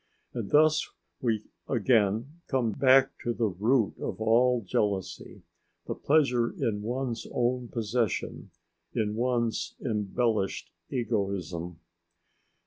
And thus we again come back to the root of all jealousy: the pleasure in one's own possession, in one's embellished egoism.